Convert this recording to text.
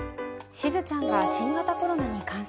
しずちゃんが新型コロナに感染。